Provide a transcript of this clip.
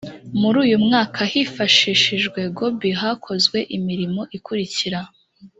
muri uyu mwaka hifashishijwe goobi hakozwe imirimo ikurikira